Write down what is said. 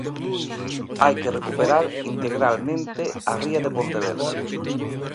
Hai que recuperar integralmente a ría de Pontevedra.